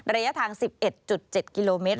ระยะทาง๑๑๗กิโลเมตร